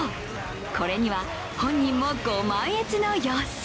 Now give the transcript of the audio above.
これには本人もご満悦の様子。